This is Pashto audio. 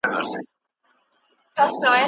نقرهيي ښکاري.